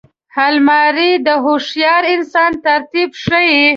الماري د هوښیار انسان ترتیب ښيي